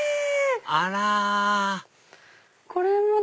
あらこれもだ！